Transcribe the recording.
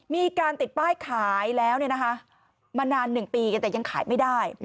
มีการติดป้ายขายแล้วมานาน๑ปีกันแต่ยังขายไม่ได้